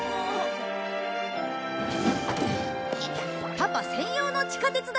パパ専用の地下鉄だよ！